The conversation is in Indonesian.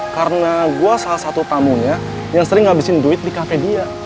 karena gue salah satu tamunya yang sering ngabisin duit di cafe dia